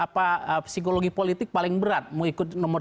psikologi politik paling berat mau ikut nomor